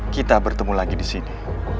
kita bertemu lagi disini